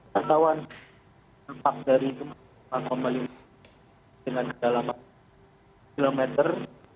ketahuan dampak dari gempa komalis dengan dalam kilometer